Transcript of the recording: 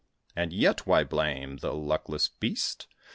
And yet, why blame the luckless beast?